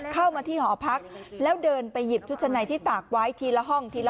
เข้ามาที่หอพักแล้วเดินไปหยิบชุดชะในที่ตากไว้ทีละห้องทีละ